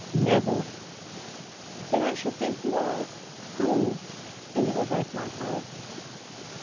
"Never!" "Then I shall think you are cruel; and you will break my heart."